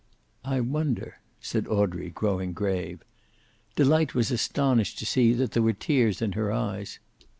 "I wonder!" said Audrey, growing grave. Delight was astonished to see that there were tears in her eyes.